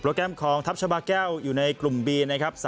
แกรมของทัพชาบาแก้วอยู่ในกลุ่มบีนะครับ